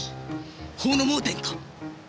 法の盲点か！